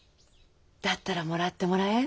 だったらもらってもらえん？